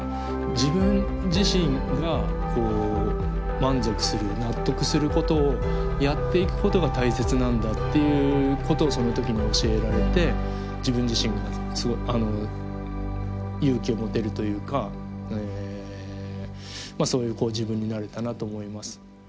自分自身が満足する納得することをやっていくことが大切なんだっていうことをその時に教えられて自分自身が勇気を持てるというかそういう自分になれたなと思います。